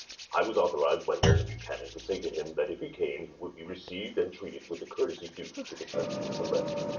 I was authorized by Mr. Buchanan to say to him that if he came he would be received and treated with the courtesy due to the President elect.